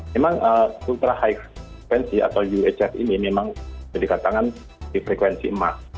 memang ultra high frequency atau uhf ini memang berdekatan dengan frekuensi emas